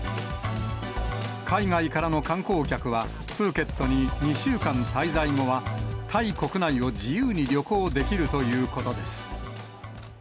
海外からの観光客は、プーケットに２週間滞在後は、タイ国内を自由に旅行できるということです。